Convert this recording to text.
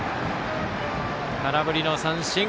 空振り三振。